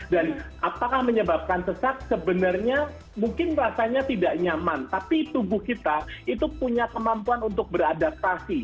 dan apakah menyebabkan sesak sebenarnya mungkin rasanya tidak nyaman tapi tubuh kita itu punya kemampuan untuk beradaptasi